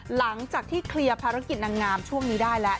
หลังจากที่เคลียร์ภารกิจนางงามช่วงนี้ได้แล้ว